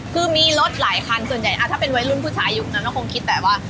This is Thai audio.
คือมีรถหลายคันส่วนใหญ่ถ้าเป็นวัยรุ่นผู้ชายอยู่นั้นก็คงคิดแต่ว่า